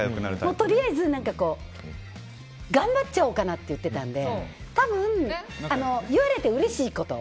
とりあえず頑張っちゃおうかなって言ってたんで多分、言われてうれしいこと。